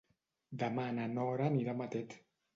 Demà na Nora anirà a Matet.